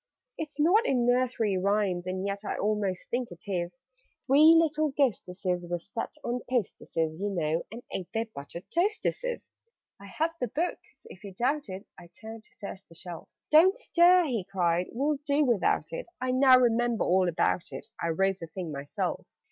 "It's not in Nursery Rhymes? And yet I almost think it is 'Three little Ghosteses' were set 'On posteses,' you know, and ate Their 'buttered toasteses.' "I have the book; so, if you doubt it " I turned to search the shelf. "Don't stir!" he cried. "We'll do without it; I now remember all about it; I wrote the thing myself.